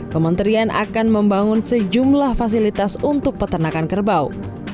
kementerian akan membangun sejumlah fasilitas untuk peternakan kerbau